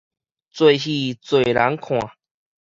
濟戲濟人看